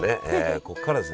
ここからですね